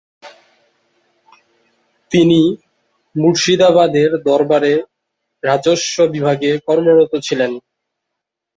তিনি মুর্শিদাবাদের দরবারে রাজস্ব বিভাগে কর্মরত ছিলেন।